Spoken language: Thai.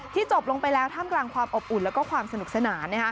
จบลงไปแล้วท่ามกลางความอบอุ่นแล้วก็ความสนุกสนาน